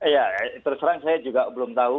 ya terserang saya juga belum tahu